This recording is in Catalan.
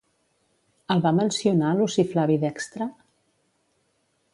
El va mencionar Luci Flavi Dextre?